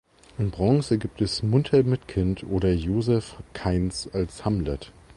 In Bronze gibt es "Mutter mit Kind" oder Josef Kainz als Hamlet.